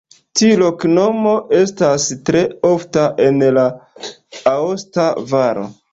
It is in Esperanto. Tiu loknomo estas tre ofta en la Aosta Valo.